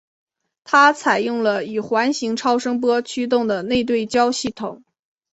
它采用了以环形超声波驱动的内对焦系统。